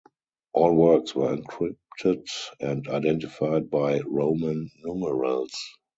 All works were encrypted and identified by Roman numerals.